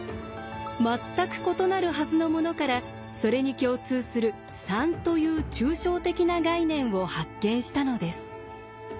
全く異なるはずのものからそれに共通する３という抽象的な概念を発見したのです。